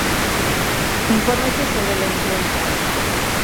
Infórmese sobre la influenza